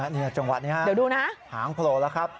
เดี๋ยวดูนะหางโผล่แล้วครับ